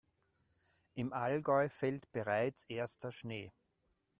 Im Allgäu fällt bereits erster Schnee.